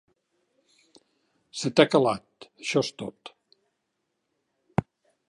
Se t'ha calat, això és tot.